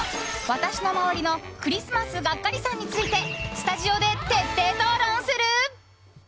私の周りのクリスマスガッカリさんについてスタジオで徹底討論する。